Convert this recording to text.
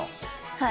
はい。